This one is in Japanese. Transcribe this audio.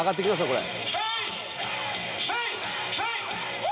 これ。